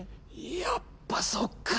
やっぱそっか。